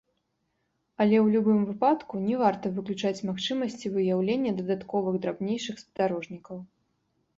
Але ў любым выпадку, не варта выключаць магчымасці выяўлення дадатковых драбнейшых спадарожнікаў.